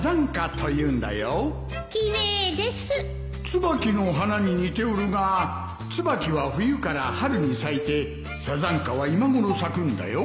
ツバキの花に似ておるがツバキは冬から春に咲いてサザンカは今ごろ咲くんだよ